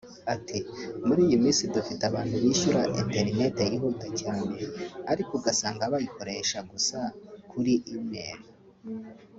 Ati "Muri iyi minsi dufite abantu bishyura Internet yihuta cyane ariko ugasanga bayikoresha gusa kuri Email